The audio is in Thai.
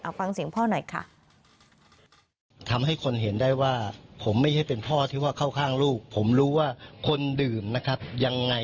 ฟังเสียงพ่อหน่อยค่ะ